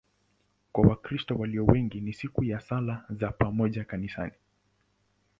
Kwa Wakristo walio wengi ni siku ya sala za pamoja kanisani.